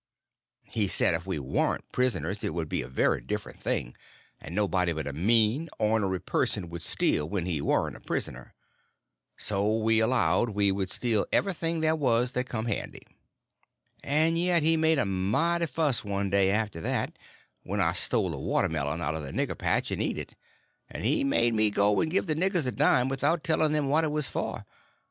He said if we warn't prisoners it would be a very different thing, and nobody but a mean, ornery person would steal when he warn't a prisoner. So we allowed we would steal everything there was that come handy. And yet he made a mighty fuss, one day, after that, when I stole a watermelon out of the nigger patch and eat it; and he made me go and give the niggers a dime without telling them what it was for.